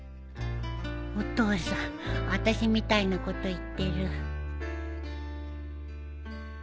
お父さんあたしみたいなこと言ってる